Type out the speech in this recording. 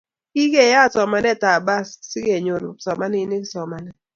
Kikeyat somanet ab barsk sikonyor kipsomaninik somanet